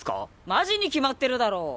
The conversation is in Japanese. マジに決まってるだろう。